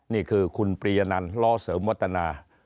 นี่คือคุณปริยนันล้อเสริมวัตนา